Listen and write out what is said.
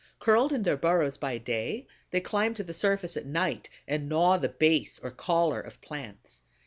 Curled in their burrows by day, they climb to the surface at night and gnaw the base or collar of plants.